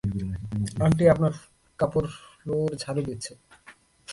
Aunty, আপনার কাপড় floor ঝাড়ু দিচ্ছে।